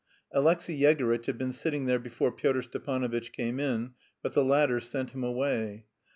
Alexey Yegorytch had been sitting there before Pyotr Stepanovitch came in, but the latter sent him away.